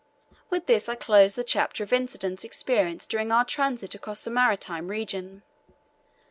With this I close the chapter of incidents experienced during our transit across the maritime region.